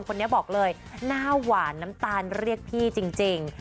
คนนี้บอกเลยหน้าหวานน้ำตาลเรียกพี่จริง